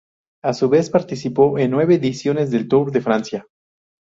A su vez participó en nueve ediciones del Tour de Francia.